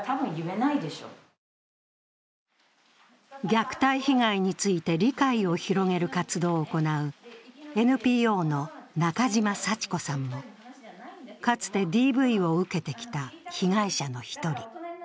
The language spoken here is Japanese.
虐待被害について理解を広げる活動を行うＮＰＯの中島幸子さんも、かつてＤＶを受けてきた被害者の１人。